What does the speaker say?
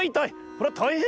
こりゃたいへんだ。